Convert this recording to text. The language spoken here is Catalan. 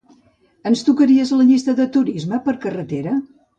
Ens tocaries la llista de turisme per carretera?